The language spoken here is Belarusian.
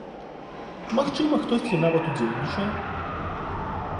Магчыма, хтосьці нават удзельнічае?